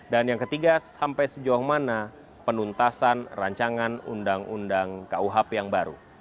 dan yang ketiga sampai sejauh mana penuntasan rancangan undang undang kuhp yang baru